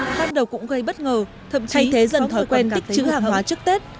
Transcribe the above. tháng đầu cũng gây bất ngờ thậm chí dần thỏa quen tích chữ hàng hóa trước tết